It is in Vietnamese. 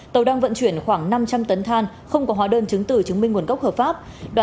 tàu đang vận chuyển khoảng năm trăm linh tấn than không có hóa đơn chứng từ chứng minh nguồn gốc hợp pháp